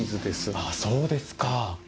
ああ、そうですか。